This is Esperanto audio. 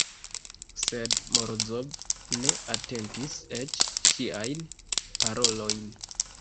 Sed Morozov ne atentis eĉ ŝiajn parolojn.